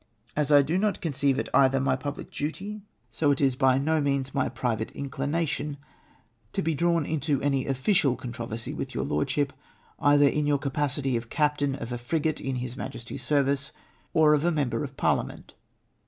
As I do not conceive it either my public duty so it is by no means mu 160 TIIEEATEXED TO BE SUPERSEDED. 'private inclhiation to he draiuii into any official controversy tuith your Lordship, either in your capacity of captain of a frigate in His Majestifs service or of a member of Parliament.